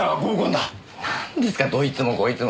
なんですかどいつもこいつも！